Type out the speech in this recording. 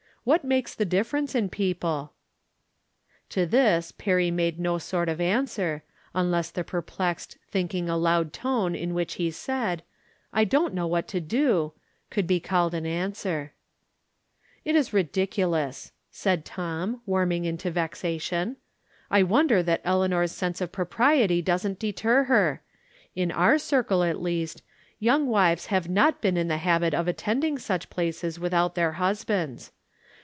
What makes the difference in people ?" To this Perry made no sort of answer, unless the perplexed " thinldng aloud " tone in which he said, " I don't know what to do," could be called an answer. 282 'From Different Standpoints. " It is ridiculous !" said Tom, warming into vexation. " I wonder that Eleanor's sense of propriety doesn't deter her. In our circle, at least, young wives have not been in the habit of attending such places without their husbands.